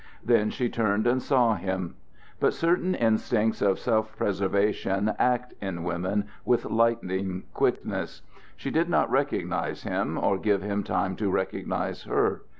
Then she turned and saw him. But certain instincts of self preservation act in women with lightning quickness. She did not recognize him, or give him time to recognize her.